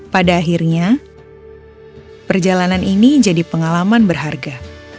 pada akhirnya perjalanan ini jadi pengalaman berharga